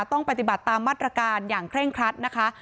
ต้องปฏิบัติตามมาตรการอย่างเคร่งครัดนะคะ